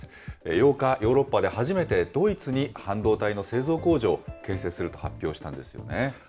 ８日、ヨーロッパで初めて、ドイツに半導体の製造工場を建設すると発表したんですよね。